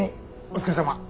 お疲れさまです。